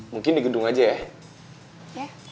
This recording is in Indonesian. mungkin di gedung aja ya